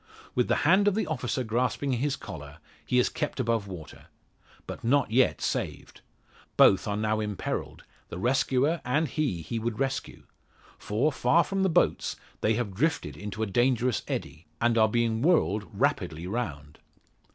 With the hand of the officer grasping his collar, he is kept above water. But not yet saved. Both are now imperilled the rescuer and he he would rescue. For, far from the boats, they have drifted into a dangerous eddy, and are being whirled rapidly round!